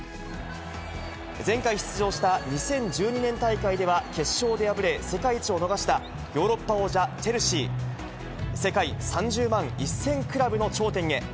前回出場した２０１２年大会では決勝で敗れ、世界一を逃したヨーロッパ王者、チェルシー、世界３０万１０００クラブの頂点へ。